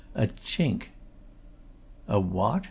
"A chink!" "A what?"